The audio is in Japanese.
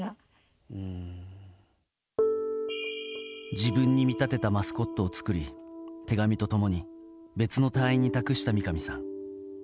自分に見立てたマスコットを作り手紙と共に別の隊員に託した三上さん。